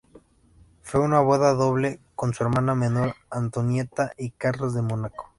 Fue una boda doble, con su hermana menor Antonieta y Carlos de Mónaco.